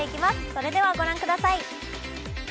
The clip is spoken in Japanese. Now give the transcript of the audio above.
それではご覧ください。